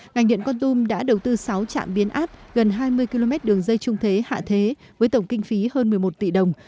ngành điện con tum đã đầu tư sáu trạm biến áp gần hai mươi km đường dây trung thế hạ thế với tổng kinh phí hơn một mươi một tỷ đồng